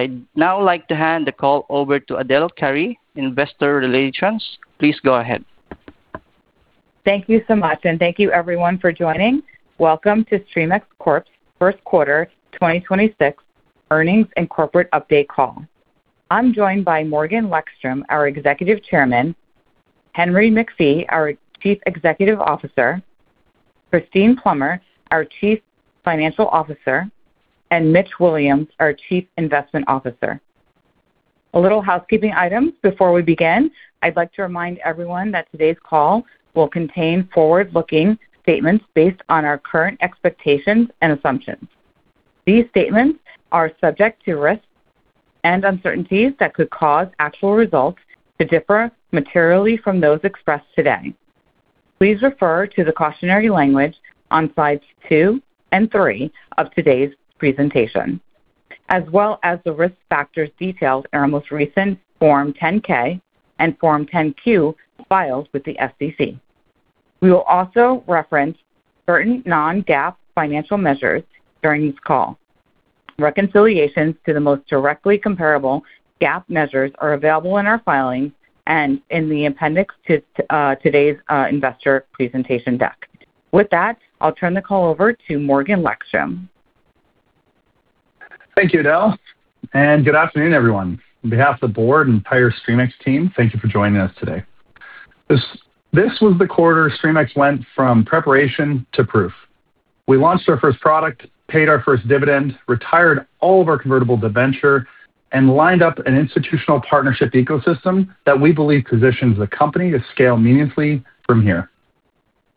I'd now like to hand the call over to Adele Carey, Investor Relations. Please go ahead. Thank you so much, and thank you everyone for joining. Welcome to Streamex Corp's first quarter 2026 earnings and corporate update call. I'm joined by Morgan Lekstrom, our Executive Chairman, Henry McPhie, our Chief Executive Officer, Christine Plummer, our Chief Financial Officer, and Mitch Williams, our Chief Investment Officer. A little housekeeping item before we begin. I'd like to remind everyone that today's call will contain forward-looking statements based on our current expectations and assumptions. These statements are subject to risks and uncertainties that could cause actual results to differ materially from those expressed today. Please refer to the cautionary language on slides two and three of today's presentation, as well as the risk factors detailed in our most recent Form 10-K and Form 10-Q files with the SEC. We will also reference certain non-GAAP financial measures during this call. Reconciliations to the most directly comparable GAAP measures are available in our filings and in the appendix to today's investor presentation deck. With that, I'll turn the call over to Morgan Lekstrom. Thank you, Adele, and good afternoon, everyone. On behalf of the board and entire Streamex team, thank you for joining us today. This was the quarter Streamex went from preparation to proof. We launched our first product, paid our first dividend, retired all of our convertible debenture, and lined up an institutional partnership ecosystem that we believe positions the company to scale meaningfully from here.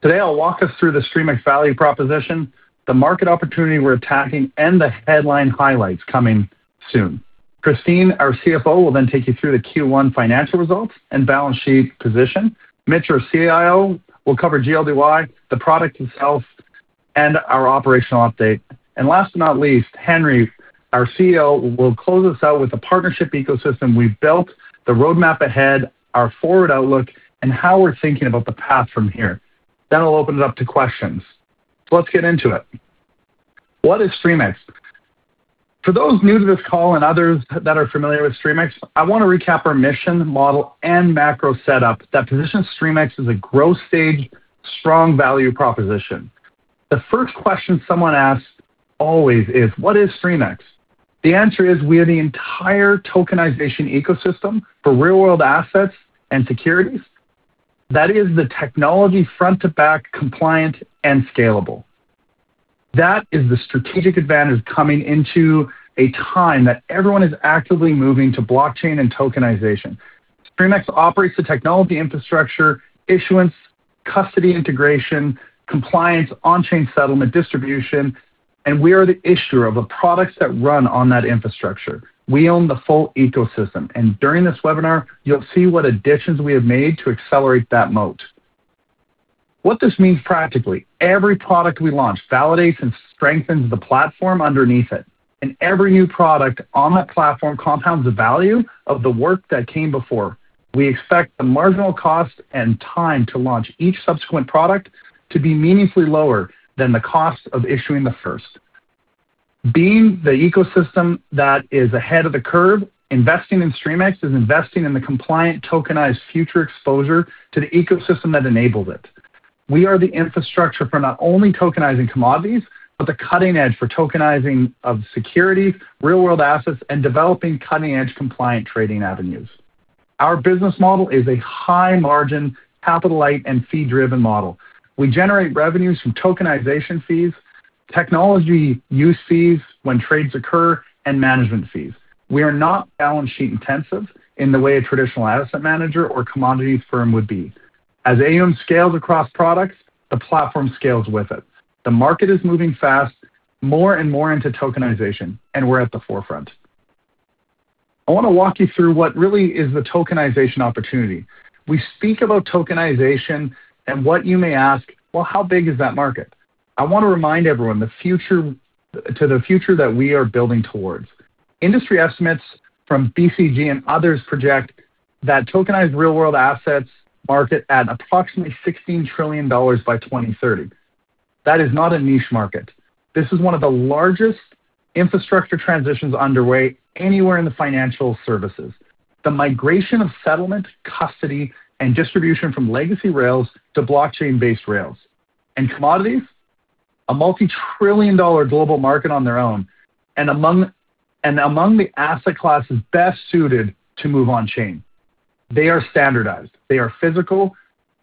Today, I'll walk us through the Streamex value proposition, the market opportunity we're attacking, and the headline highlights coming soon. Christine, our CFO, will then take you through the Q1 financial results and balance sheet position. Mitch, our CIO, will cover GLDY, the product itself, and our operational update. Last but not least, Henry, our CEO, will close us out with the partnership ecosystem we've built, the roadmap ahead, our forward outlook, and how we're thinking about the path from here. We'll open it up to questions. Let's get into it. What is Streamex? For those new to this call and others that are familiar with Streamex, I want to recap our mission, model, and macro setup that positions Streamex as a growth stage, strong value proposition. The first question someone asks always is: What is Streamex? The answer is we are the entire tokenization ecosystem for real-world assets and securities. That is the technology front to back compliant and scalable. That is the strategic advantage coming into a time that everyone is actively moving to blockchain and tokenization. Streamex operates the technology infrastructure, issuance, custody integration, compliance, on-chain settlement, distribution, and we are the issuer of the products that run on that infrastructure. We own the full ecosystem, and during this webinar, you'll see what additions we have made to accelerate that moat. What this means practically, every product we launch validates and strengthens the platform underneath it, and every new product on that platform compounds the value of the work that came before. We expect the marginal cost and time to launch each subsequent product to be meaningfully lower than the cost of issuing the first. Being the ecosystem that is ahead of the curve, investing in Streamex is investing in the compliant, tokenized future exposure to the ecosystem that enabled it. We are the infrastructure for not only tokenizing commodities, but the cutting edge for tokenizing of securities, real-world assets, and developing cutting-edge compliant trading avenues. Our business model is a high margin, capital light, and fee-driven model. We generate revenues from tokenization fees, technology use fees when trades occur, and management fees. We are not balance sheet intensive in the way a traditional asset manager or commodity firm would be. As AUM scales across products, the platform scales with it. The market is moving fast, more and more into tokenization, and we're at the forefront. I want to walk you through what really is the tokenization opportunity. We speak about tokenization and what you may ask, "Well, how big is that market?" I want to remind everyone the future that we are building towards. Industry estimates from BCG and others project that tokenized real-world assets market at approximately $16 trillion by 2030. That is not a niche market. This is one of the largest infrastructure transitions underway anywhere in the financial services. The migration of settlement, custody, and distribution from legacy rails to blockchain-based rails. Commodities, a multi-trillion dollar global market on their own, and among the asset classes best suited to move on-chain. They are standardized, they are physical,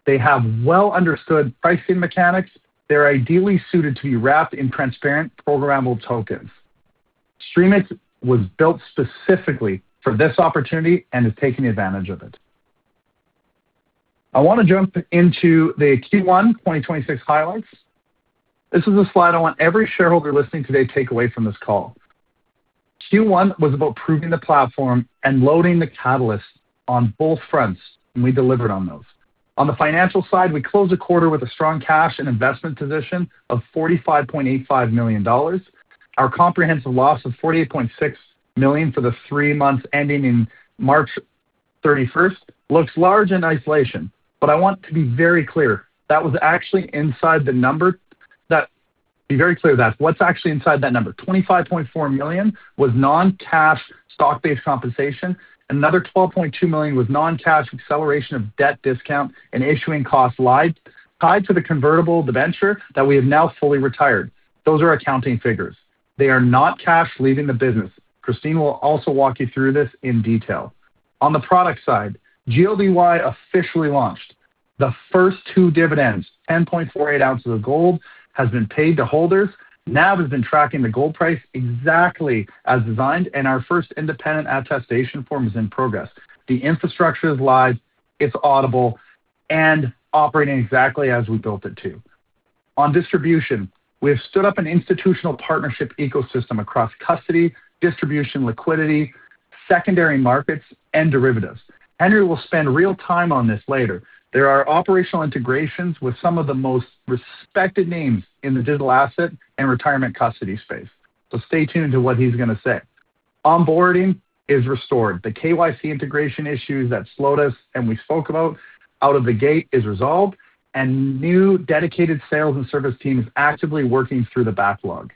they have well-understood pricing mechanics. They're ideally suited to be wrapped in transparent, programmable tokens. Streamex was built specifically for this opportunity and is taking advantage of it. I want to jump into the Q1 2026 highlights. This is a slide I want every shareholder listening today to take away from this call. Q1 was about proving the platform and loading the catalyst on both fronts, and we delivered on those. On the financial side, we closed the quarter with a strong cash and investment position of $45.85 million. Our comprehensive loss of $48.6 million for the three months ending in March 31st looks large in isolation, but I want to be very clear, that was actually inside the number. Be very clear with that. What's actually inside that number? $25.4 million was non-cash stock-based compensation. Another $12.2 million was non-cash acceleration of debt discount and issuing cost lives tied to the convertible debenture that we have now fully retired. Those are accounting figures. They are not cash leaving the business. Christine will also walk you through this in detail. On the product side, GLDY officially launched. The first two dividends, 10.48 ounces of gold, has been paid to holders. NAV has been tracking the gold price exactly as designed. Our first independent attestation form is in progress. The infrastructure is live, it's auditable, operating exactly as we built it to. On distribution, we have stood up an institutional partnership ecosystem across custody, distribution, liquidity, secondary markets, and derivatives. Henry will spend real time on this later. There are operational integrations with some of the most respected names in the digital asset and retirement custody space. Stay tuned to what he's going to say. Onboarding is restored. The KYC integration issues that slowed us, and we spoke about out of the gate is resolved, and new dedicated sales and service team is actively working through the backlog.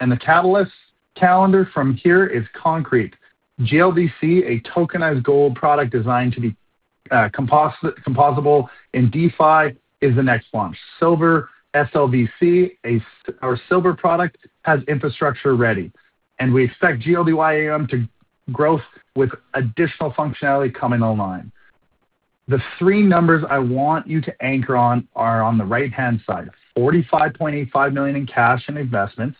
The catalyst calendar from here is concrete. GLDC, a tokenized gold product designed to be composable in DeFi, is the next launch. Silver, SLVC, our silver product, has infrastructure ready, and we expect GLDY AUM to growth with additional functionality coming online. The three numbers I want you to anchor on are on the right-hand side, $45.85 million in cash and investments,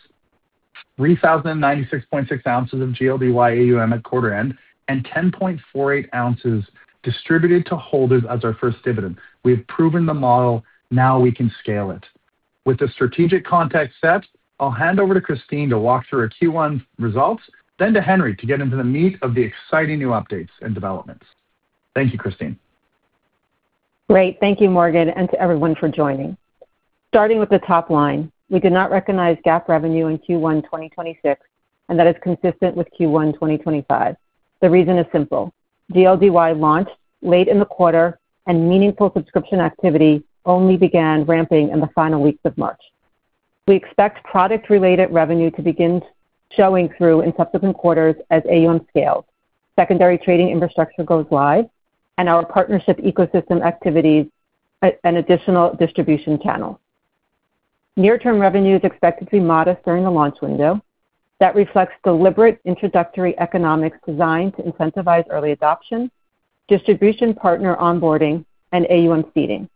3,096.6 ounces of GLDY AUM at quarter end, and 10.48 ounces distributed to holders as our first dividend. We have proven the model, now we can scale it. With the strategic context set, I'll hand over to Christine to walk through our Q1 results, then to Henry to get into the meat of the exciting new updates and developments. Thank you, Christine. Great. Thank you, Morgan, and to everyone for joining. Starting with the top line, we did not recognize GAAP revenue in Q1 2026, and that is consistent with Q1 2025. The reason is simple. GLDY launched late in the quarter and meaningful subscription activity only began ramping in the final weeks of March. We expect product-related revenue to begin showing through in subsequent quarters as AUM scales, secondary trading infrastructure goes live, and our partnership ecosystem activities, an additional distribution channel. Near-term revenue is expected to be modest during the launch window. That reflects deliberate introductory economics designed to incentivize early adoption, distribution partner onboarding, and AUM seeding.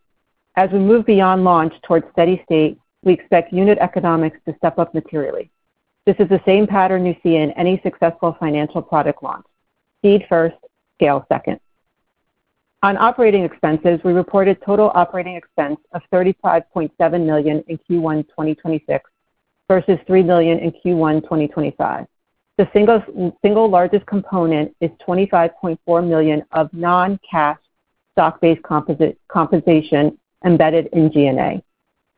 As we move beyond launch towards steady state, we expect unit economics to step up materially. This is the same pattern you see in any successful financial product launch. Seed first, scale second. On operating expenses, we reported total operating expense of $35.7 million in Q1 2026 versus $3 million in Q1 2025. The single largest component is $25.4 million of non-cash stock-based compensation embedded in G&A.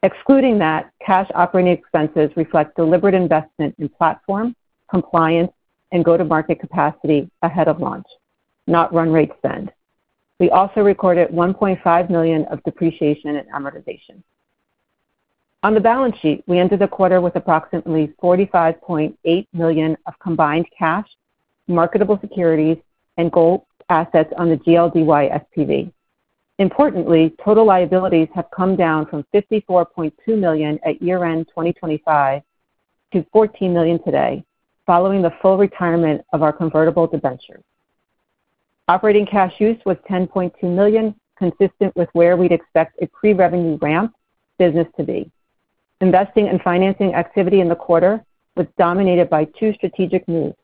Excluding that, cash operating expenses reflect deliberate investment in platform, compliance, and go-to-market capacity ahead of launch, not run rate spend. We also recorded $1.5 million of depreciation and amortization. On the balance sheet, we ended the quarter with approximately $45.8 million of combined cash, marketable securities, and gold assets on the GLDY SPV. Importantly, total liabilities have come down from $54.2 million at year-end 2025 to $14 million today, following the full retirement of our convertible debenture. Operating cash use was $10.2 million, consistent with where we'd expect a pre-revenue ramp business to be. Investing and financing activity in the quarter was dominated by two strategic moves,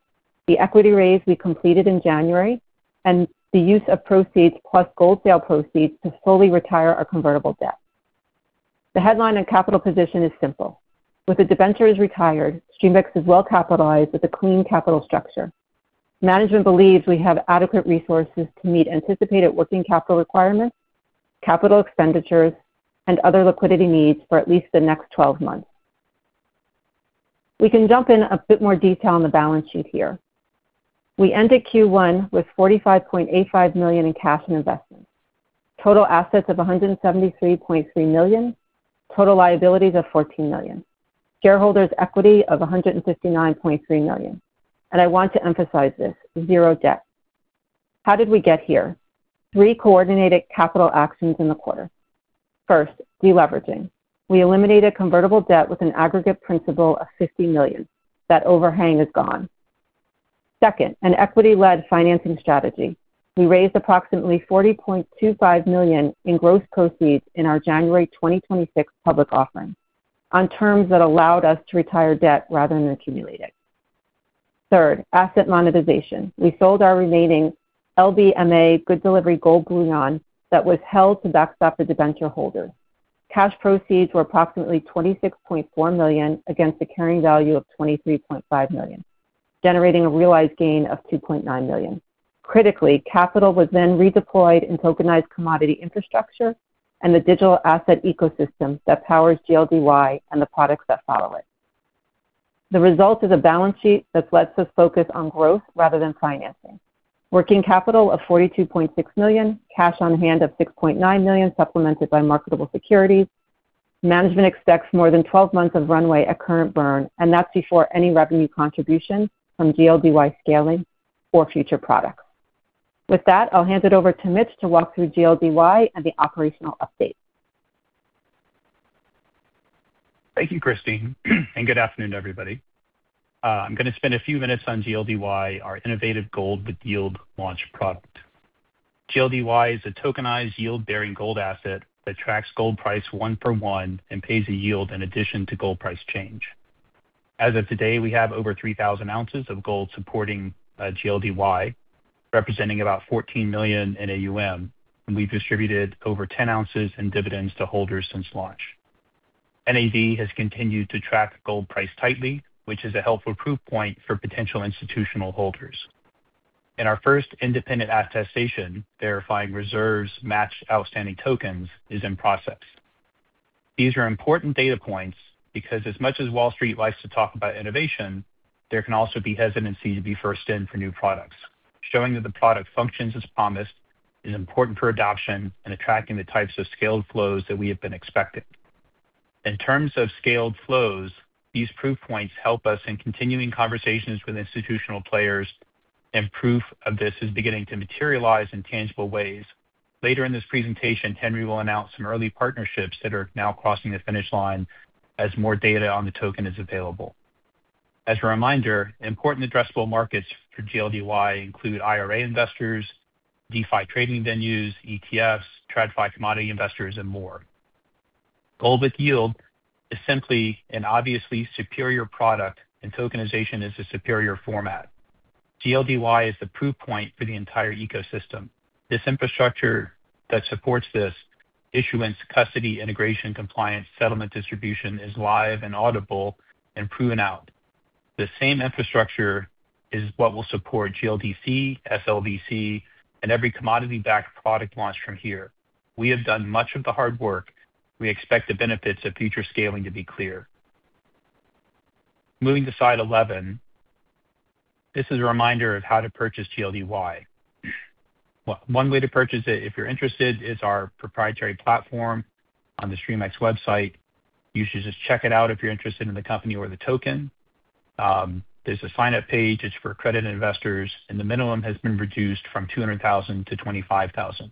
the equity raise we completed in January and the use of proceeds plus gold sale proceeds to fully retire our convertible debt. The headline and capital position is simple. With the debentures retired, Streamex is well capitalized with a clean capital structure. Management believes we have adequate resources to meet anticipated working capital requirements, capital expenditures, and other liquidity needs for at least the next 12 months. We can jump in a bit more detail on the balance sheet here. We ended Q1 with $45.85 million in cash and investments, total assets of $173.3 million, total liabilities of $14 million, shareholders' equity of $159.3 million. I want to emphasize this, zero debt. How did we get here? Three coordinated capital actions in the quarter. First, de-leveraging. We eliminated convertible debt with an aggregate principal of $50 million. That overhang is gone. Second, an equity-led financing strategy. We raised approximately $40.25 million in gross proceeds in our January 2026 public offering on terms that allowed us to retire debt rather than accumulate it. Third, asset monetization. We sold our remaining LBMA Good Delivery gold bullion that was held to backstop the debenture holder. Cash proceeds were approximately $26.4 million against the carrying value of $23.5 million, generating a realized gain of $2.9 million. Critically, capital was then redeployed in tokenized commodity infrastructure and the digital asset ecosystem that powers GLDY and the products that follow it. The result is a balance sheet that's led to focus on growth rather than financing. Working capital of $42.6 million, cash on hand of $6.9 million, supplemented by marketable securities. Management expects more than 12 months of runway at current burn. That's before any revenue contribution from GLDY scaling or future products. With that, I'll hand it over to Mitch to walk through GLDY and the operational update. Thank you, Christine, and good afternoon, everybody. I'm going to spend a few minutes on GLDY, our innovative gold with yield launch product. GLDY is a tokenized yield-bearing gold asset that tracks gold price one for one and pays a yield in addition to gold price change. As of today, we have over 3,000 ounces of gold supporting GLDY, representing about $14 million in AUM, and we've distributed over 10 ounces in dividends to holders since launch. NAV has continued to track gold price tightly, which is a helpful proof point for potential institutional holders. In our first independent attestation, verifying reserves matched outstanding tokens is in process. These are important data points because as much as Wall Street likes to talk about innovation, there can also be hesitancy to be first in for new products. Showing that the product functions as promised is important for adoption and attracting the types of scaled flows that we have been expecting. In terms of scaled flows, these proof points help us in continuing conversations with institutional players, and proof of this is beginning to materialize in tangible ways. Later in this presentation, Henry will announce some early partnerships that are now crossing the finish line as more data on the token is available. As a reminder, important addressable markets for GLDY include IRA investors, DeFi trading venues, ETFs, TradFi commodity investors, and more. Gold with yield is simply an obviously superior product, and tokenization is a superior format. GLDY is the proof point for the entire ecosystem. This infrastructure that supports this issuance, custody, integration, compliance, settlement, distribution is live and audible and proven out. The same infrastructure is what will support GLDC, SLVC, and every commodity-backed product launched from here. We have done much of the hard work. We expect the benefits of future scaling to be clear. Moving to slide 11, this is a reminder of how to purchase GLDY. One way to purchase it, if you're interested, is our proprietary platform on the Streamex website. You should just check it out if you're interested in the company or the token. There's a sign-up page, it's for accredited investors, and the minimum has been reduced from $200,000 to $25,000.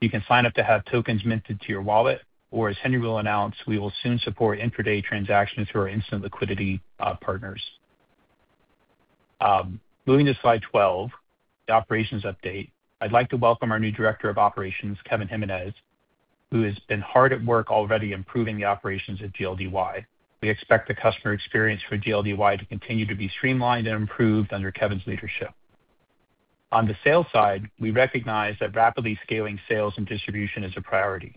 You can sign up to have tokens minted to your wallet, or, as Henry will announce, we will soon support intraday transactions through our instant liquidity partners. Moving to slide 12, the operations update. I'd like to welcome our new Director of Operations, Kevin Jimenez, who has been hard at work already improving the operations at GLDY. We expect the customer experience for GLDY to continue to be streamlined and improved under Kevin's leadership. On the sales side, we recognize that rapidly scaling sales and distribution is a priority.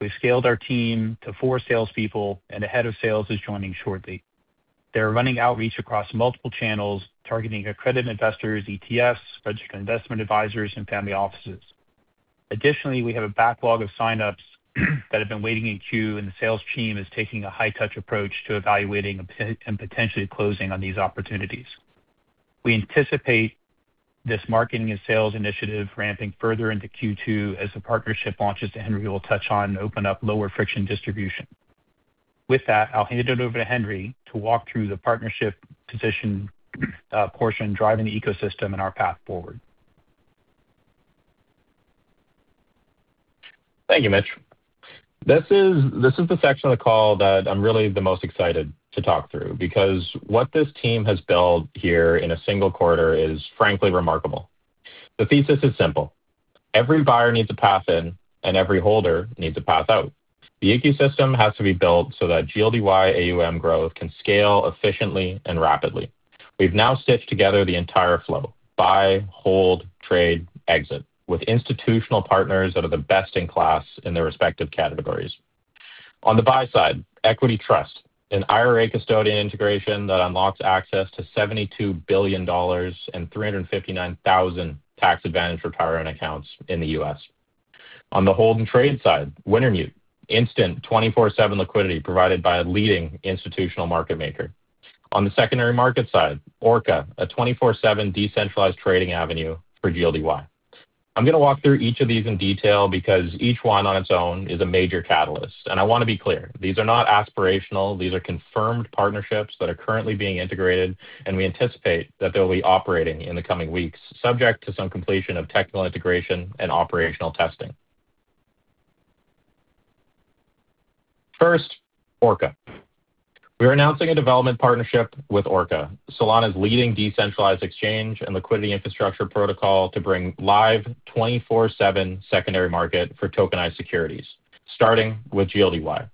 We've scaled our team to four salespeople and the head of sales is joining shortly. They're running outreach across multiple channels, targeting accredited investors, ETFs, registered investment advisors, and family offices. Additionally, we have a backlog of sign-ups that have been waiting in queue, and the sales team is taking a high-touch approach to evaluating and potentially closing on these opportunities. We anticipate this marketing and sales initiative ramping further into Q2 as the partnership launches that Henry will touch on open up lower friction distribution. With that, I'll hand it over to Henry to walk through the partnership position portion, driving the ecosystem and our path forward. Thank you, Mitch. This is the section of the call that I'm really the most excited to talk through because what this team has built here in a single quarter is frankly remarkable. The thesis is simple. Every buyer needs a path in, every holder needs a path out. The ecosystem has to be built so that GLDY AUM growth can scale efficiently and rapidly. We've now stitched together the entire flow, buy, hold, trade, exit, with institutional partners that are the best in class in their respective categories. On the buy side, Equity Trust, an IRA custodian integration that unlocks access to $72 billion and 359,000 tax advantage retirement accounts in the U.S. On the hold and trade side, Wintermute, instant 24/7 liquidity provided by a leading institutional market maker. On the secondary market side, Orca, a 24/7 decentralized trading avenue for GLDY. I'm going to walk through each of these in detail because each one on its own is a major catalyst. I want to be clear, these are not aspirational. These are confirmed partnerships that are currently being integrated, and we anticipate that they'll be operating in the coming weeks, subject to some completion of technical integration and operational testing. First, Orca. We're announcing a development partnership with Orca, Solana's leading decentralized exchange and liquidity infrastructure protocol to bring live 24/7 secondary market for tokenized securities, starting with GLDY.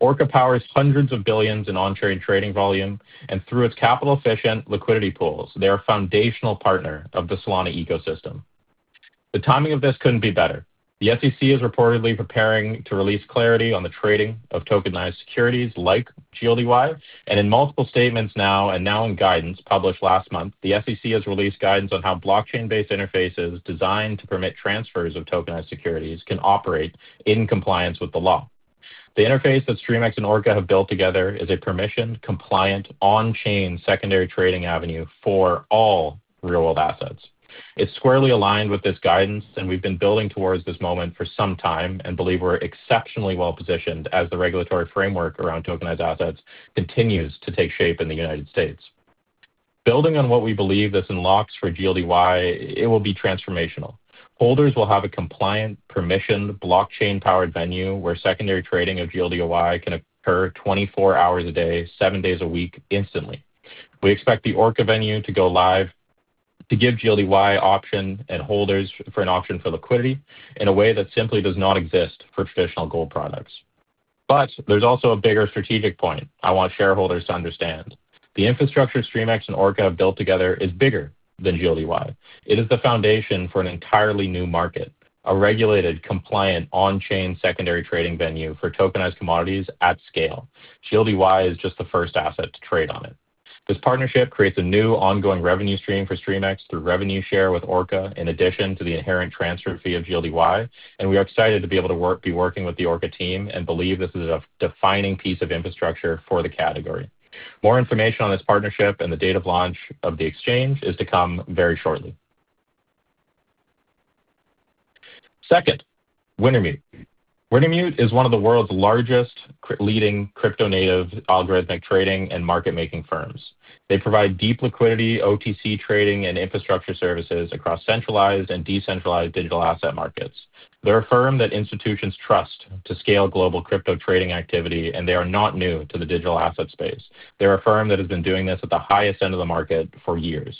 Orca powers hundreds of billions in on-chain trading volume and through its capital efficient liquidity pools, they're a foundational partner of the Solana ecosystem. The timing of this couldn't be better. The SEC is reportedly preparing to release clarity on the trading of tokenized securities like GLDY. Now in guidance published last month, the SEC has released guidance on how blockchain-based interfaces designed to permit transfers of tokenized securities can operate in compliance with the law. The interface that Streamex and Orca have built together is a permissioned, compliant, on-chain secondary trading avenue for all real-world assets. It's squarely aligned with this guidance. We've been building towards this moment for some time and believe we're exceptionally well-positioned as the regulatory framework around tokenized assets continues to take shape in the U.S. Building on what we believe this unlocks for GLDY, it will be transformational. Holders will have a compliant, permissioned, blockchain-powered venue where secondary trading of GLDY can occur 24 hours a day, 7 days a week instantly. We expect the Orca venue to go live to give GLDY option and holders for an option for liquidity in a way that simply does not exist for traditional gold products. There's also a bigger strategic point I want shareholders to understand. The infrastructure Streamex and Orca have built together is bigger than GLDY. It is the foundation for an entirely new market, a regulated, compliant, on-chain secondary trading venue for tokenized commodities at scale. GLDY is just the first asset to trade on it. This partnership creates a new ongoing revenue stream for Streamex through revenue share with Orca, in addition to the inherent transfer fee of GLDY, and we are excited to be able to be working with the Orca team and believe this is a defining piece of infrastructure for the category. More information on this partnership and the date of launch of the exchange is to come very shortly. Second, Wintermute. Wintermute is one of the world's largest leading crypto-native algorithmic trading and market-making firms. They provide deep liquidity, OTC trading, and infrastructure services across centralized and decentralized digital asset markets. They're a firm that institutions trust to scale global crypto trading activity, and they are not new to the digital asset space. They're a firm that has been doing this at the highest end of the market for years.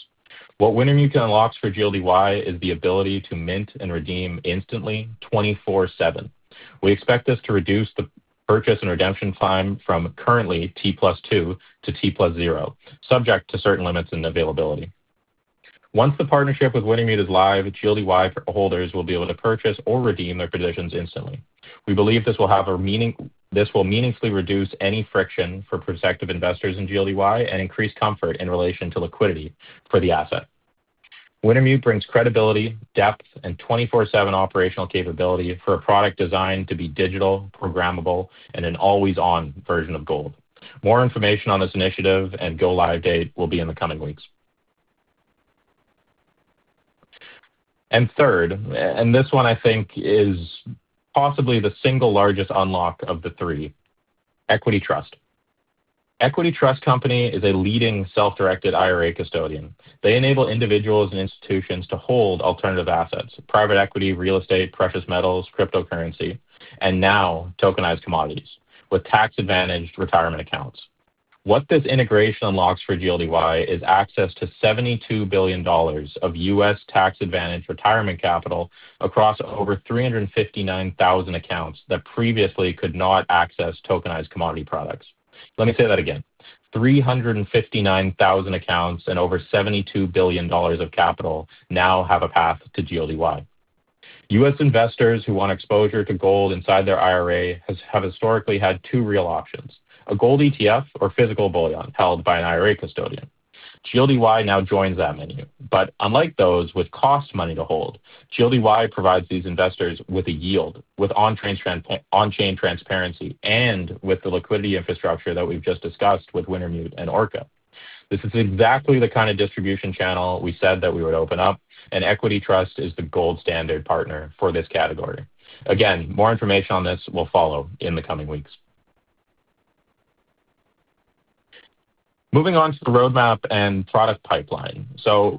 What Wintermute unlocks for GLDY is the ability to mint and redeem instantly 24/7. We expect this to reduce the purchase and redemption time from currently T+2 to T+0, subject to certain limits in availability. Once the partnership with Wintermute is live, GLDY holders will be able to purchase or redeem their positions instantly. We believe this will meaningfully reduce any friction for prospective investors in GLDY and increase comfort in relation to liquidity for the asset. Wintermute brings credibility, depth, and 24/7 operational capability for a product designed to be digital, programmable, and an always-on version of gold. More information on this initiative and go-live date will be in the coming weeks. Third, this one I think is possibly the single largest unlock of the three, Equity Trust. Equity Trust Company is a leading self-directed IRA custodian. They enable individuals and institutions to hold alternative assets, private equity, real estate, precious metals, cryptocurrency, and now tokenized commodities with tax-advantaged retirement accounts. What this integration unlocks for GLDY is access to $72 billion of U.S. tax-advantaged retirement capital across over 359,000 accounts that previously could not access tokenized commodity products. Let me say that again. 359,000 accounts and over $72 billion of capital now have a path to GLDY. U.S. investors who want exposure to gold inside their IRA have historically had two real options, a gold ETF or physical bullion held by an IRA custodian. GLDY now joins that menu. Unlike those which cost money to hold, GLDY provides these investors with a yield with on-chain transparency and with the liquidity infrastructure that we've just discussed with Wintermute and Orca. This is exactly the kind of distribution channel we said that we would open up, and Equity Trust is the gold standard partner for this category. Again, more information on this will follow in the coming weeks. Moving on to the roadmap and product pipeline.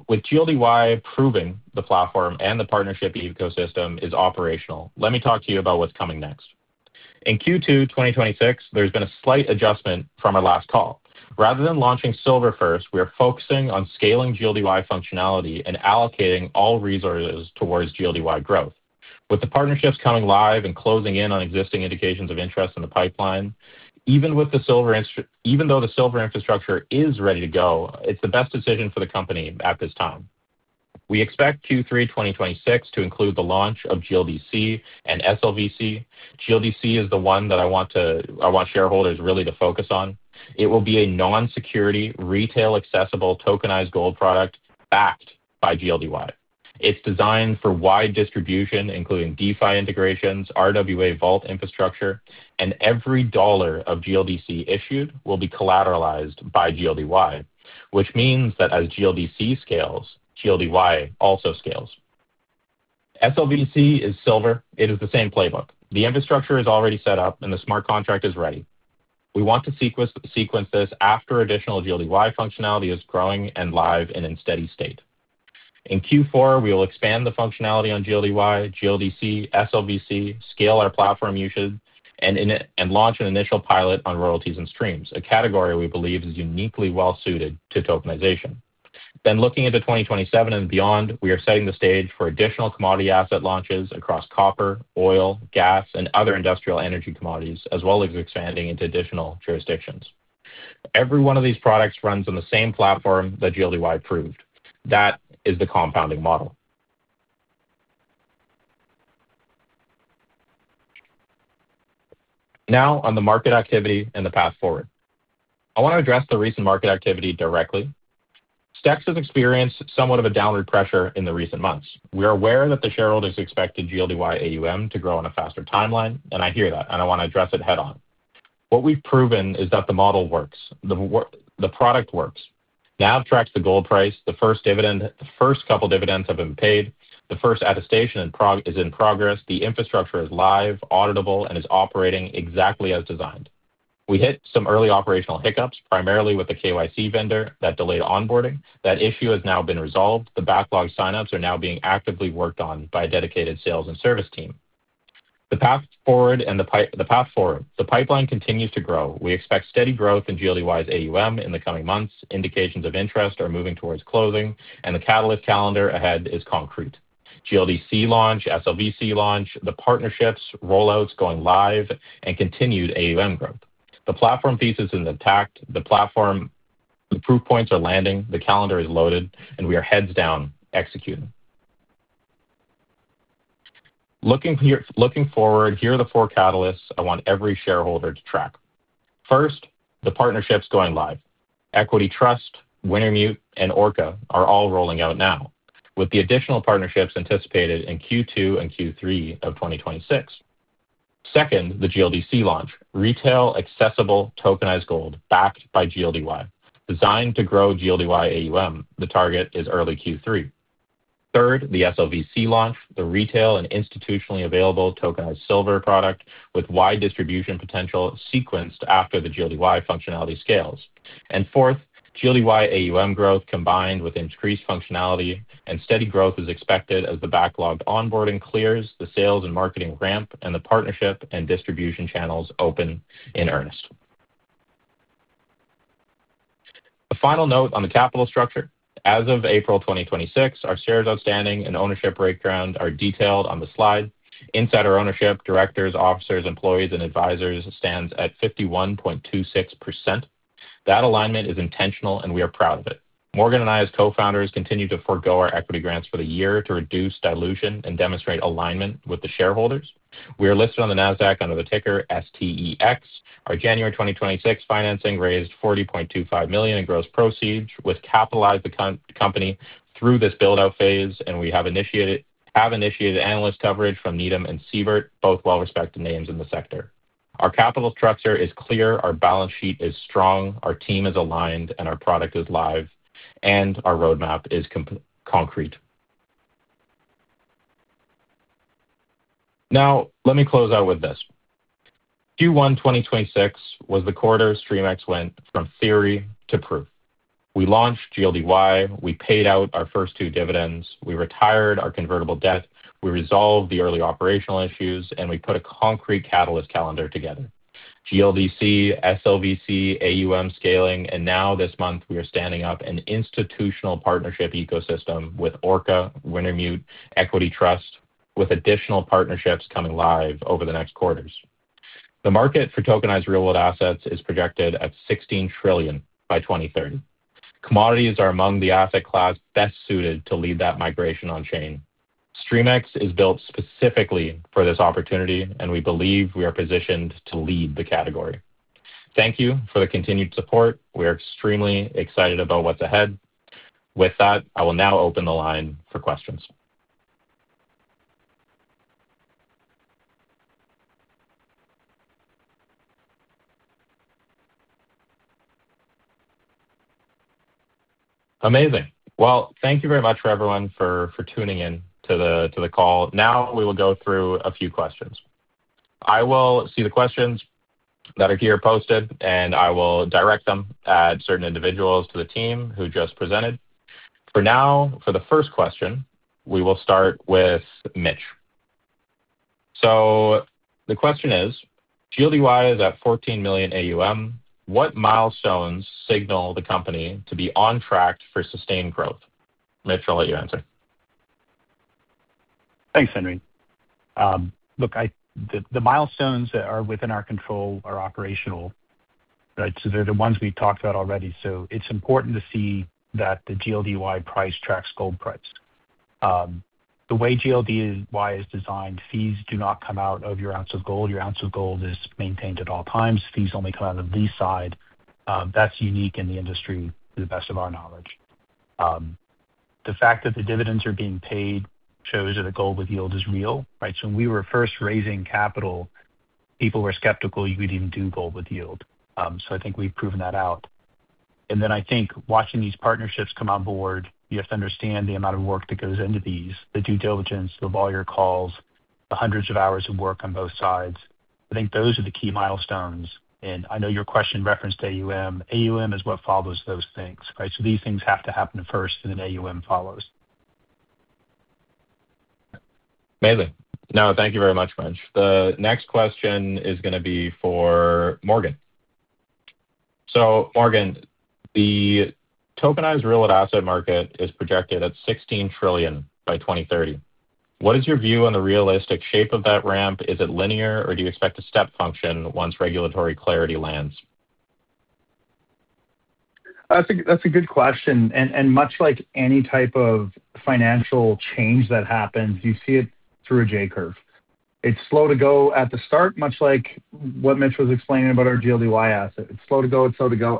With GLDY proving the platform and the partnership ecosystem is operational, let me talk to you about what's coming next. In Q2 2026, there's been a slight adjustment from our last call. Rather than launching SLVC first, we are focusing on scaling GLDY functionality and allocating all resources towards GLDY growth. With the partnerships coming live and closing in on existing indications of interest in the pipeline, even though the silver infrastructure is ready to go, it's the best decision for the company at this time. We expect Q3 2026 to include the launch of GLDC and SLVC. GLDC is the one that I want shareholders really to focus on. It will be a non-security, retail-accessible tokenized gold product backed by GLDY. It's designed for wide distribution, including DeFi integrations, RWA vault infrastructure, and every dollar of GLDC issued will be collateralized by GLDY, which means that as GLDC scales, GLDY also scales. SLVC is silver. It is the same playbook. The infrastructure is already set up and the smart contract is ready. We want to sequence this after additional GLDY functionality is growing and live and in steady state. In Q4, we will expand the functionality on GLDY, GLDC, SLVC, scale our platform usage, and launch an initial pilot on royalties and streams, a category we believe is uniquely well-suited to tokenization. Looking into 2027 and beyond, we are setting the stage for additional commodity asset launches across copper, oil, gas, and other industrial energy commodities, as well as expanding into additional jurisdictions. Every one of these products runs on the same platform that GLDY proved. That is the compounding model. On the market activity and the path forward. I want to address the recent market activity directly. STEX has experienced somewhat of a downward pressure in the recent months. We are aware that the shareholders expect the GLDY AUM to grow on a faster timeline, and I hear that, and I want to address it head-on. What we've proven is that the model works. The product works. NAV tracks the gold price. The first couple of dividends have been paid. The first attestation is in progress. The infrastructure is live, auditable, and is operating exactly as designed. We hit some early operational hiccups, primarily with the KYC vendor that delayed onboarding. That issue has now been resolved. The backlog sign-ups are now being actively worked on by a dedicated sales and service team. The path forward, the pipeline continues to grow. We expect steady growth in GLDY’s AUM in the coming months. Indications of interest are moving towards closing, and the catalyst calendar ahead is concrete. GLDC launch, SLVC launch, the partnerships, roll-outs going live, and continued AUM growth. The platform pieces intact, the platform proof points are landing, the calendar is loaded, and we are heads down executing. Looking forward, here are the four catalysts I want every shareholder to track. First, the partnerships going live. Equity Trust, Wintermute, and Orca are all rolling out now, with the additional partnerships anticipated in Q2 and Q3 of 2026. Second, the GLDC launch. Retail-accessible tokenized gold backed by GLDY, designed to grow GLDY AUM. The target is early Q3. Third, the SLVC launch, the retail and institutionally available tokenized silver product with wide distribution potential sequenced after the GLDY functionality scales. Fourth, GLDY AUM growth combined with increased functionality and steady growth is expected as the backlogged onboarding clears the sales and marketing ramp and the partnership and distribution channels open in earnest. A final note on the capital structure. As of April 2026, our shares outstanding and ownership breakdown are detailed on the slide. Insider ownership, directors, officers, employees, and advisors stands at 51.26%. That alignment is intentional, and we are proud of it. Morgan and I, as co-founders, continue to forgo our equity grants for the year to reduce dilution and demonstrate alignment with the shareholders. We are listed on the Nasdaq under the ticker STEX. Our January 2026 financing raised $40.25 million in gross proceeds, which capitalized the company through this build-out phase, and we have initiated analyst coverage from Needham and Siebert, both well-respected names in the sector. Our capital structure is clear, our balance sheet is strong, our team is aligned, and our product is live and our roadmap is concrete. Now, let me close out with this. Q1 2026 was the quarter Streamex went from theory to proof. We launched GLDY, we paid out our first two dividends, we retired our convertible debt, we resolved the early operational issues, and we put a concrete catalyst calendar together. Now this month, we are standing up an institutional partnership ecosystem with Orca, Wintermute, Equity Trust, with additional partnerships coming live over the next quarters. The market for tokenized real-world assets is projected at $16 trillion by 2030. Commodities are among the asset class best suited to lead that migration on-chain. Streamex is built specifically for this opportunity, and we believe we are positioned to lead the category. Thank you for the continued support. We are extremely excited about what's ahead. With that, I will now open the line for questions. Amazing. Well, thank you very much for everyone for tuning in to the call. Now we will go through a few questions. I will see the questions that are here posted, and I will direct them at certain individuals to the team who just presented. For now, for the first question, we will start with Mitch. The question is, GLDY is at $14 million AUM. What milestones signal the company to be on track for sustained growth? Mitch, I'll let you answer. Thanks, Henry. Look, the milestones that are within our control are operational, right? They're the ones we talked about already. It's important to see that the GLDY price tracks gold price. The way GLDY is designed, fees do not come out of your 1 ounce of gold. Your 1 ounce of gold is maintained at all times. Fees only come out of the lease side. That's unique in the industry to the best of our knowledge. The fact that the dividends are being paid shows that the gold with yield is real, right? When we were first raising capital, people were skeptical you could even do gold with yield. I think we've proven that out. I think watching these partnerships come on board, you have to understand the amount of work that goes into these, the due diligence, the lawyer calls, the hundreds of hours of work on both sides. I think those are the key milestones. I know your question referenced AUM. AUM is what follows those things, right? These things have to happen first, and then AUM follows. Amazing. No, thank you very much, Mitch. Morgan, the tokenized real asset market is projected at $16 trillion by 2030. What is your view on the realistic shape of that ramp? Is it linear, or do you expect a step function once regulatory clarity lands? That's a good question. Much like any type of financial change that happens, you see it through a J-curve. It's slow to go at the start, much like what Mitch was explaining about our GLDY asset. It's slow to go,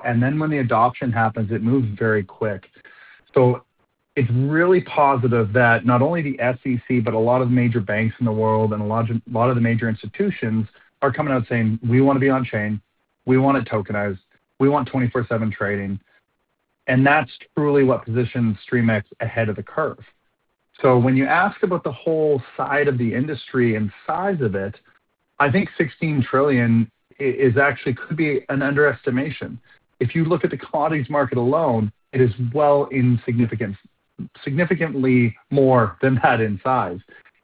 then when the adoption happens, it moves very quick. It's really positive that not only the SEC, but a lot of major banks in the world, and a lot of the major institutions are coming out saying, "We want to be on-chain, we want it tokenized, we want 24/7 trading." That's truly what positions Streamex ahead of the curve. When you ask about the whole side of the industry and size of it, I think $16 trillion is actually could be an underestimation. If you look at the commodities market alone, it is well, significantly more than that in size.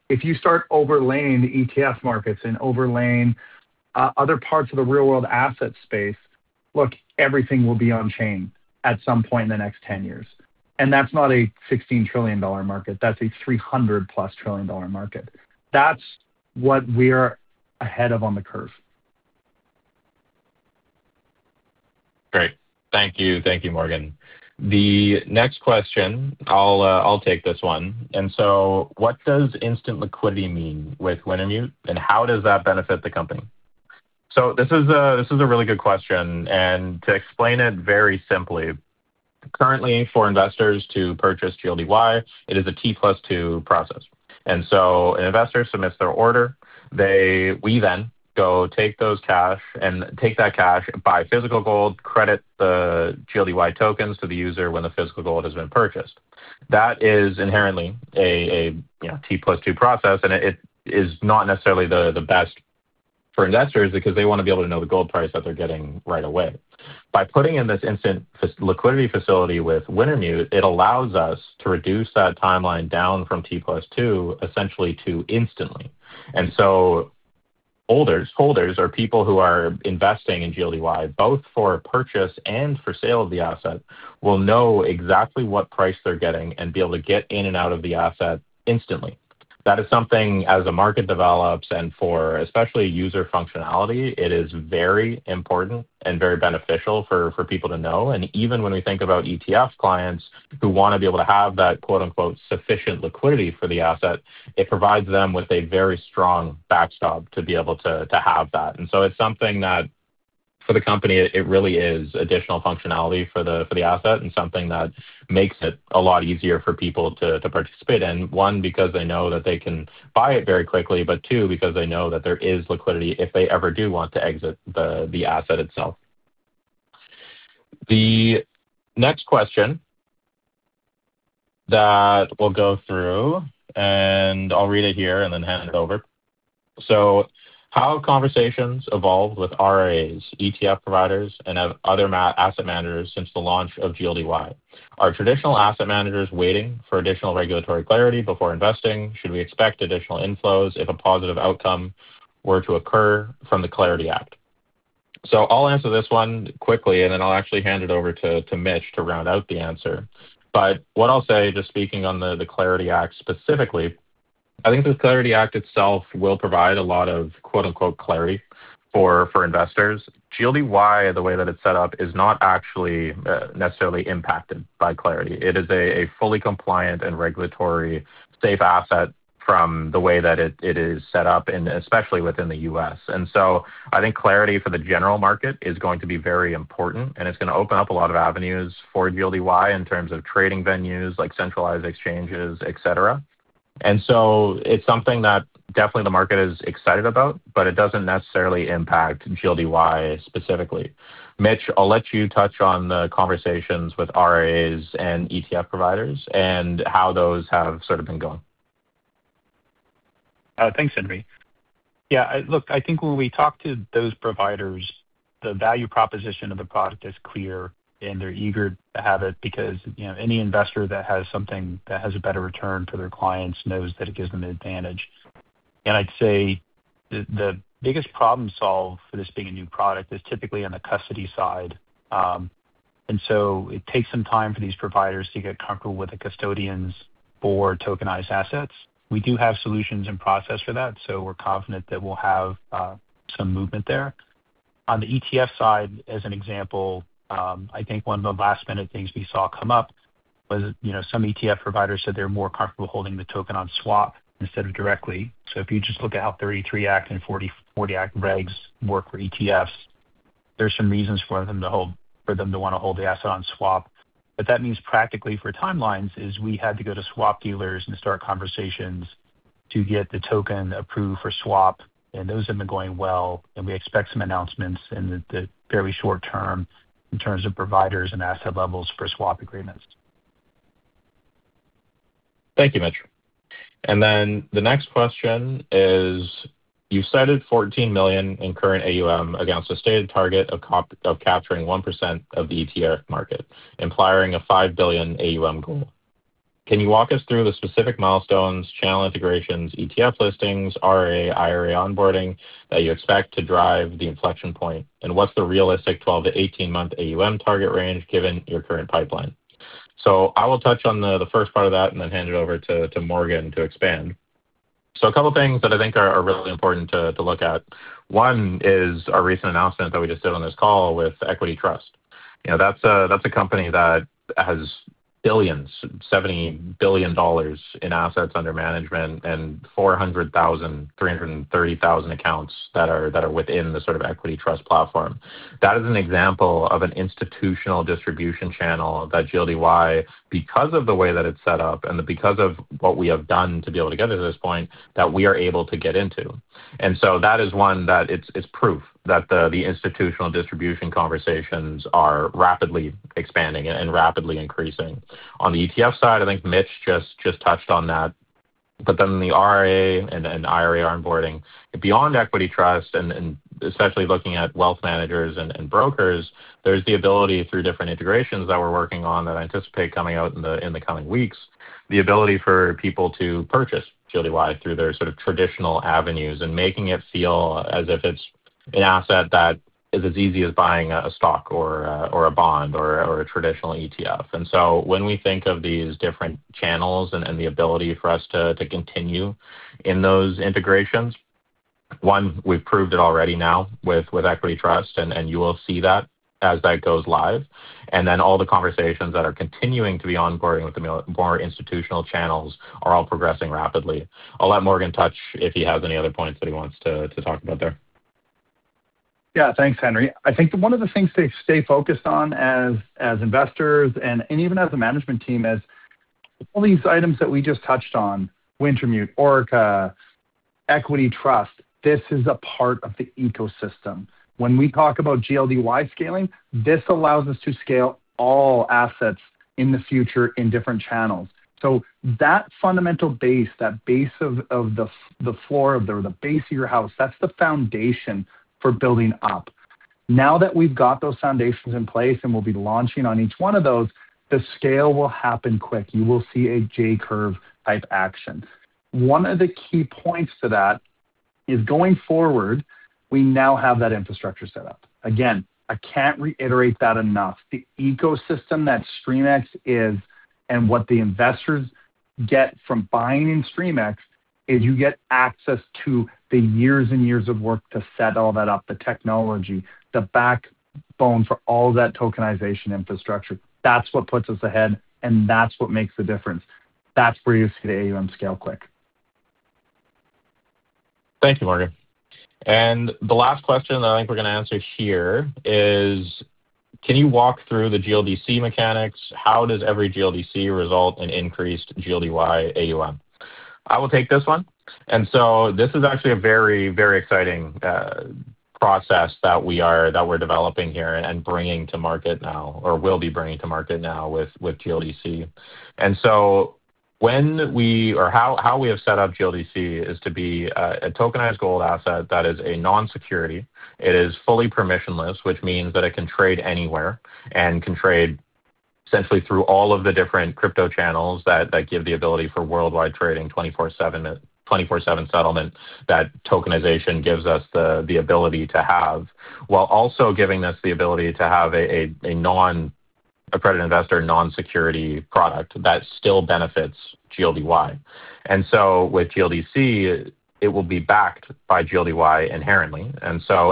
If you start overlaying the ETF markets and overlaying other parts of the real-world asset space, look, everything will be on-chain at some point in the next 10 years. That's not a $16 trillion market. That's a 300+ trillion-dollar market. That's what we are ahead of on the curve. Great. Thank you. Thank you, Morgan. The next question, I'll take this one. What does instant liquidity mean with Wintermute, and how does that benefit the company? This is a really good question, and to explain it very simply, currently for investors to purchase GLDY, it is a T+2 process. An investor submits their order. We then go take that cash and buy physical gold, credit the GLDY tokens to the user when the physical gold has been purchased. That is inherently a T+2 process, and it is not necessarily the best for investors because they want to be able to know the gold price that they're getting right away. By putting in this instant liquidity facility with Wintermute, it allows us to reduce that timeline down from T+2 essentially to instantly. Holders are people who are investing in GLDY, both for purchase and for sale of the asset will know exactly what price they're getting and be able to get in and out of the asset instantly. That is something as a market develops and for especially user functionality, it is very important and very beneficial for people to know. Even when we think about ETF clients who want to be able to have that quote, unquote, sufficient liquidity for the asset, it provides them with a very strong backstop to be able to have that. It's something that for the company, it really is additional functionality for the asset and something that makes it a lot easier for people to participate in, one, because they know that they can buy it very quickly, but two, because they know that there is liquidity if they ever do want to exit the asset itself. The next question that we'll go through, and I'll read it here and then hand it over. How have conversations evolved with RIAs, ETF providers, and other asset managers since the launch of GLDY? Are traditional asset managers waiting for additional regulatory clarity before investing? Should we expect additional inflows if a positive outcome were to occur from the Clarity Act? I'll answer this one quickly, and then I'll actually hand it over to Mitch to round out the answer. What I'll say, just speaking on the Clarity Act specifically, I think the Clarity Act itself will provide a lot of clarity for investors. GLDY, the way that it's set up, is not actually necessarily impacted by Clarity. It is a fully compliant and regulatory safe asset from the way that it is set up, and especially within the U.S. I think Clarity for the general market is going to be very important, and it's going to open up a lot of avenues for GLDY in terms of trading venues, like centralized exchanges, et cetera. It's something that definitely the market is excited about, but it doesn't necessarily impact GLDY specifically. Mitch, I'll let you touch on the conversations with RIAs and ETF providers and how those have sort of been going. Thanks, Henry. Yeah, look, I think when we talk to those providers, the value proposition of the product is clear, and they're eager to have it because any investor that has something that has a better return for their clients knows that it gives them an advantage. I'd say the biggest problem solved for this being a new product is typically on the custody side. It takes some time for these providers to get comfortable with the custodians for tokenized assets. We do have solutions in process for that, so we're confident that we'll have some movement there. On the ETF side, as an example, I think one of the last-minute things we saw come up was some ETF providers said they're more comfortable holding the token on swap instead of directly. If you just look at how 33 Act and 40 Act regs work for ETFs, there's some reasons for them to want to hold the asset on swap. What that means practically for timelines is we had to go to swap dealers and start conversations to get the token approved for swap, and those have been going well, and we expect some announcements in the very short term in terms of providers and asset levels for swap agreements. Thank you, Mitch. The next question is, you've cited $14 million in current AUM against a stated target of capturing 1% of the ETF market, implying a $5 billion AUM goal. Can you walk us through the specific milestones, channel integrations, ETF listings, RIA, IRA onboarding that you expect to drive the inflection point, and what's the realistic 12-18-month AUM target range given your current pipeline? I will touch on the first part of that and then hand it over to Morgan to expand. A couple things that I think are really important to look at. One is our recent announcement that we just did on this call with Equity Trust. That's a company that has billions, $70 billion in assets under management, and 400,000, 330,000 accounts that are within the sort of Equity Trust platform. That is an example of an institutional distribution channel that GLDY, because of the way that it's set up, and because of what we have done to be able to get to this point, that we are able to get into. That is one that it's proof that the institutional distribution conversations are rapidly expanding and rapidly increasing. On the ETF side, I think Mitch just touched on that. The IRA and IRA onboarding, beyond Equity Trust and especially looking at wealth managers and brokers, there's the ability through different integrations that we're working on that I anticipate coming out in the coming weeks, the ability for people to purchase GLDY through their sort of traditional avenues and making it feel as if it's an asset that is as easy as buying a stock or a bond or a traditional ETF. When we think of these different channels and the ability for us to continue in those integrations, one, we've proved it already now with Equity Trust and you will see that as that goes live. All the conversations that are continuing to be onboarding with the more institutional channels are all progressing rapidly. I'll let Morgan touch if he has any other points that he wants to talk about there. Yeah, thanks, Henry. I think one of the things to stay focused on as investors and even as a management team is all these items that we just touched on, Wintermute, Orca, Equity Trust, this is a part of the ecosystem. When we talk about GLDY scaling, this allows us to scale all assets in the future in different channels. That fundamental base, that base of the floor of the base of your house, that's the foundation for building up. Now that we've got those foundations in place and we'll be launching on each one of those, the scale will happen quick. You will see a J-curve type action. One of the key points to that is going forward, we now have that infrastructure set up. Again, I can't reiterate that enough. The ecosystem that Streamex is and what the investors get from buying in Streamex is you get access to the years and years of work to set all that up, the technology, the backbone for all that tokenization infrastructure. That's what puts us ahead, and that's what makes a difference. That's where you see the AUM scale quick. Thank you, Morgan. The last question that I think we're going to answer here is, can you walk through the GLDC mechanics? How does every GLDC result in increased GLDY AUM? I will take this one. This is actually a very exciting process that we're developing here and bringing to market now or will be bringing to market now with GLDC. How we have set up GLDC is to be a tokenized gold asset that is a non-security. It is fully permissionless, which means that it can trade anywhere and can trade essentially through all of the different crypto channels that give the ability for worldwide trading 24/7 settlement, that tokenization gives us the ability to have, while also giving us the ability to have an accredited investor non-security product that still benefits GLDY. With GLDC, it will be backed by GLDY inherently.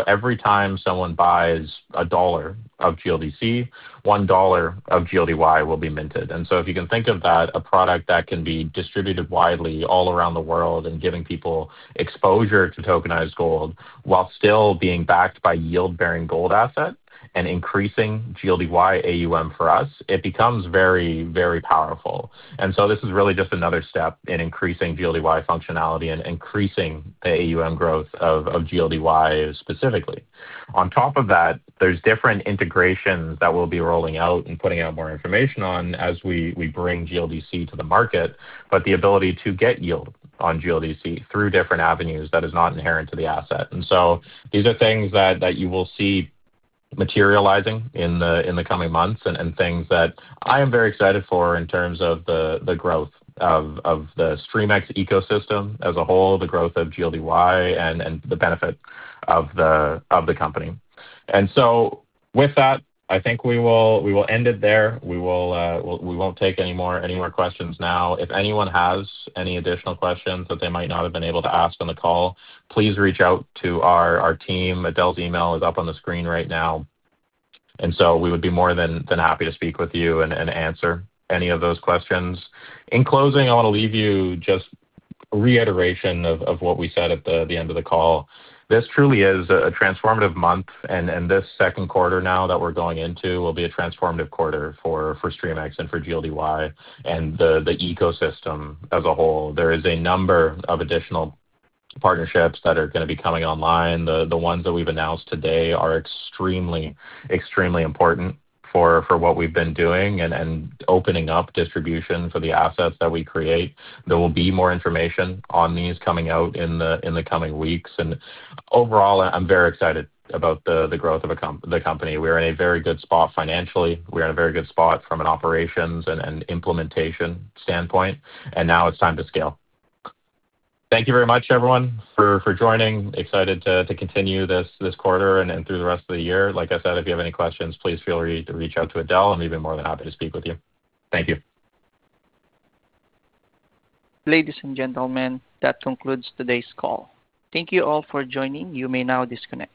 Every time someone buys $1 of GLDC, $1 of GLDY will be minted. If you can think of that, a product that can be distributed widely all around the world and giving people exposure to tokenized gold while still being backed by yield-bearing gold asset and increasing GLDY AUM for us, it becomes very powerful. This is really just another step in increasing GLDY functionality and increasing the AUM growth of GLDY specifically. On top of that, there's different integrations that we'll be rolling out and putting out more information on as we bring GLDC to the market, but the ability to get yield on GLDC through different avenues that is not inherent to the asset. These are things that you will see materializing in the coming months and things that I am very excited for in terms of the growth of the Streamex ecosystem as a whole, the growth of GLDY, and the benefit of the company. With that, I think we will end it there. We won't take any more questions now. If anyone has any additional questions that they might not have been able to ask on the call, please reach out to our team. Adele's email is up on the screen right now. We would be more than happy to speak with you and answer any of those questions. In closing, I want to leave you just a reiteration of what we said at the end of the call. This truly is a transformative month, and this second quarter now that we're going into will be a transformative quarter for Streamex and for GLDY and the ecosystem as a whole. There is a number of additional partnerships that are going to be coming online. The ones that we've announced today are extremely important for what we've been doing and opening up distribution for the assets that we create. There will be more information on these coming out in the coming weeks, and overall, I'm very excited about the growth of the company. We are in a very good spot financially. We're in a very good spot from an operations and implementation standpoint, and now it's time to scale. Thank you very much, everyone, for joining. Excited to continue this quarter and through the rest of the year. Like I said, if you have any questions, please feel free to reach out to Adele, and we'd be more than happy to speak with you. Thank you. Ladies and gentlemen, that concludes today's call. Thank you all for joining. You may now disconnect.